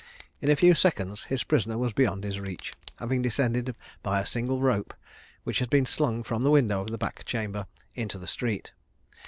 In a few seconds his prisoner was beyond his reach, having descended by a single rope, which had been slung from the window of the back chamber, into the street.